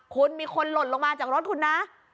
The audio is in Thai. คุณมีคนหล่นลงมาจากรถคุณนะ